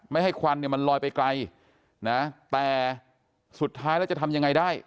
ไม่ให้ควันเนี่ยมันลอยไปไกลนะแต่สุดท้ายแล้วจะทำยังไงได้